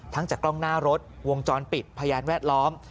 จากกล้องหน้ารถวงจรปิดพยานแวดล้อม